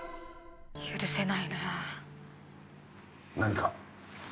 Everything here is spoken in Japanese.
許せないなぁ。何か？